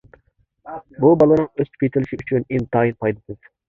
بۇ بالىنىڭ ئۆسۈپ يېتىلىشى ئۈچۈن ئىنتايىن پايدىسىز.